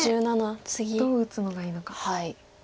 ここでどう打つのがいいのか。